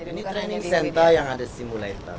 ini training center yang ada simulator